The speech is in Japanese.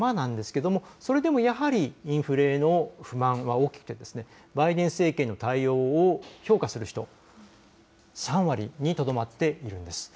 けれどもそれでもやはりインフレへの不満は大きくてバイデン政権の対応を評価する人、３割にとどまっているんです。